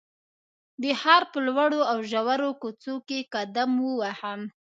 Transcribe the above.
د ښار په لوړو او ژورو کوڅو کې قدم ووهم.